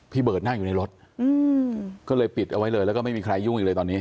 เบิร์ดนั่งอยู่ในรถก็เลยปิดเอาไว้เลยแล้วก็ไม่มีใครยุ่งอีกเลยตอนนี้